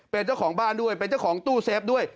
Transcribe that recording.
เป็นเจ้าของบ้านด้วยเป็นเจ้าของตู้เซฟด้วย